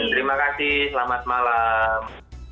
terima kasih selamat malam